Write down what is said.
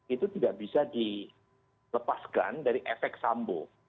itu tidak bisa dilepaskan dari efek sambo